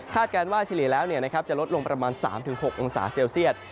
การว่าเฉลี่ยแล้วจะลดลงประมาณ๓๖องศาเซลเซียต